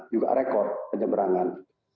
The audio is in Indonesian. juga rekor penyeberangan